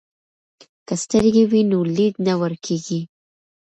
که سترګې وي نو لید نه ورکیږي.